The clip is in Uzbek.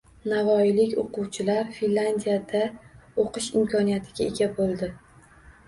Navoiylik o‘quvchilar Finlyandiyada o‘qish imkoniyatiga ega bo‘ldi